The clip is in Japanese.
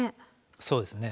そうですね。